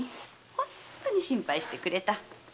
本当に心配してくれた。